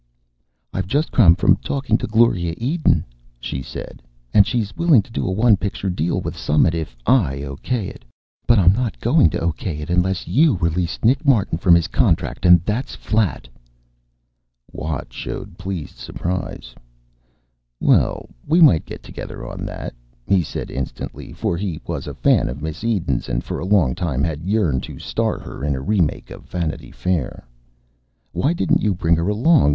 "I've just come from talking to Gloria Eden," she said, "and she's willing to do a one picture deal with Summit if I okay it. But I'm not going to okay it unless you release Nick Martin from his contract, and that's flat." Watt showed pleased surprise. "Well, we might get together on that," he said instantly, for he was a fan of Miss Eden's and for a long time had yearned to star her in a remake of Vanity Fair. "Why didn't you bring her along?